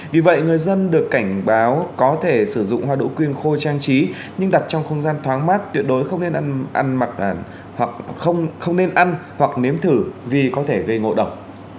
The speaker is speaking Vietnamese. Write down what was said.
vì vậy người dân được cảnh báo có thể sử dụng hoa đỗ quyên khô trang trí nhưng đặt trong không gian thoáng mát tuyệt đối không nên ăn hoặc nếm thử vì có thể gây ngộ độc